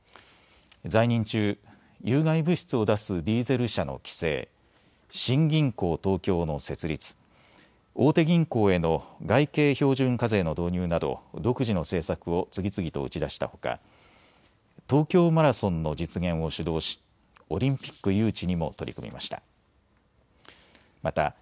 在任中、有害物質を出すディーゼル車の規制、新銀行東京の設立、大手銀行への外形標準課税の導入など独自の政策を次々と打ち出したほか東京マラソンの実現を主導しオリンピック誘致にも取り組みました。